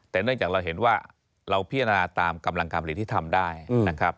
แต่เนื่องจากเราเห็นว่าเราพิจารณาตามกำลังการผลิตที่ทำได้นะครับ